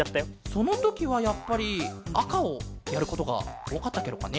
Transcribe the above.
そのときはやっぱりあかをやることがおおかったケロかね？